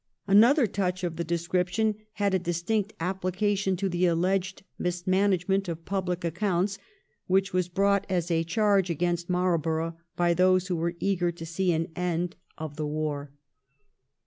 Another touch of the description had a distinct application to the alleged mismanagement of public accounts, which was brought as a charge against Marlborough by those who were eager to see an end 1713 *THE OCCASION OF THE LAWSUIT/ 305 of the war.